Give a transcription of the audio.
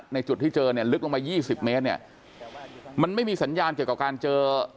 จุดที่เจอเนี่ยลึกลงไปยี่สิบเมตรเนี่ยมันไม่มีสัญญาณเกี่ยวกับการเจอ